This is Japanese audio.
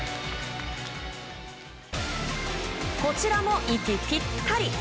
こちらも息ぴったり。